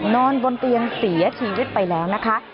นอนบนเตียงเสียชีวิตไปแล้วนะคะ